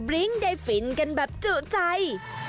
ลิ้งได้ฟินกันแบบจุใจ